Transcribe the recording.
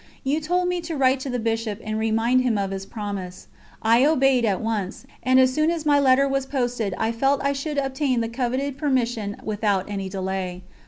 You told me to write to the Bishop and remind him of his promise. I obeyed at once, and as soon as my letter was posted I felt I should obtain the coveted permission without any delay.